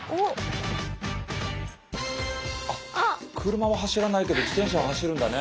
車は走らないけど自転車は走るんだね。